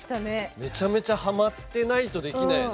めちゃめちゃハマってないとできないよね。